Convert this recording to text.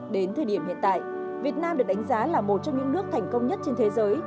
đến thời điểm hiện tại việt nam được đánh giá là một trong những nước thành công nhất trên thế giới